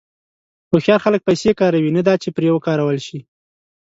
هوښیار خلک پیسې کاروي، نه دا چې پرې وکارول شي.